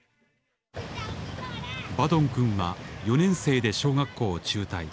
バドンくんは４年生で小学校を中退。